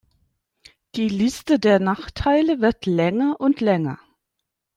Die Liste der Nachteile wird länger und länger.